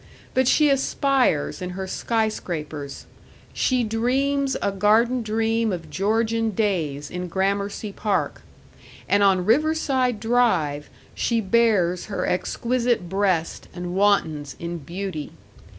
But she aspires in her sky scrapers; she dreams a garden dream of Georgian days in Gramercy Park; and on Riverside Drive she bares her exquisite breast and wantons in beauty.